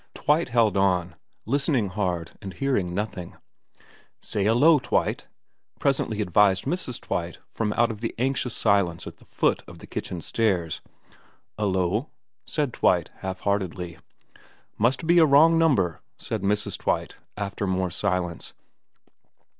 Twite held on, listening hard and hearing nothing. ' Say 'Ullo, Twite,' presently advised Mrs. Twite from out of the anxious silence at the foot of the kitchen stairs. ' 'Ullo,' said Twite half heartedly. * Must be a wrong number,' said Mrs. Twite, after more silence.